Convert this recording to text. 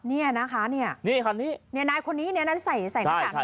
เนี่ยนะคะเนี่ยนี่คันนี้เนี่ยนายคนนี้เนี่ยนั้นใส่ใส่หน้ากากอ